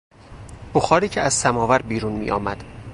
بخاری که از سماور بیرون میآمد